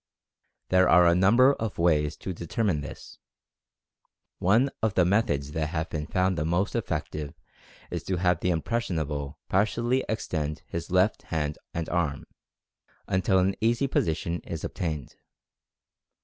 There are a number of ways to deter mine this. One of the methods that have been found the most effective is to have the "impressionable" par tially extend his left hand and arm, until an easy posi tion is obtained.